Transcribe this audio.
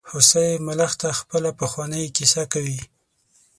هوسۍ ملخ ته خپله پخوانۍ کیسه کوي.